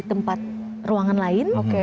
tempat ruangan lain